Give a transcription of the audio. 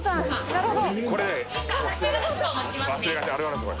なるほど。